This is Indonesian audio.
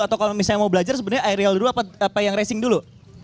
atau kalau misalnya mau belajar sebenarnya aerial dulu apa yang racing dulu